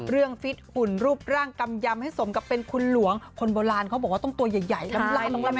เรื่องฟิตหุ่นรูปร่างกำยำให้สมกับเป็นคุณหลวงคนโบราณเขาบอกว่าต้องตัวใหญ่ลำ